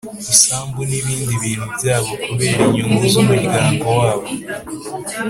isambu n’ibindi bintu byabo kubera inyungu z’umuryango wabo.